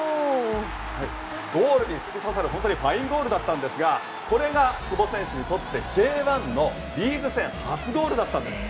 ゴールに突き刺さる本当にファインゴールだったんですがこれが久保選手にとってＪ１のリーグ戦初ゴールだったんです。